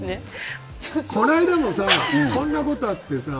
この間もさこんなことがあってさ。